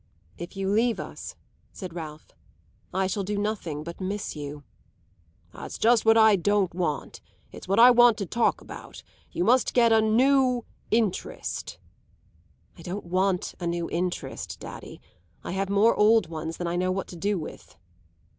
"If you leave us," said Ralph, "I shall do nothing but miss you." "That's just what I don't want; it's what I want to talk about. You must get a new interest." "I don't want a new interest, daddy. I have more old ones than I know what to do with."